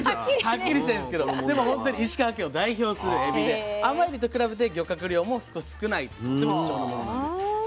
はっきりしたいんですけどでも本当に石川県を代表するエビで甘エビと比べて漁獲量も少ないとっても貴重なものなんです。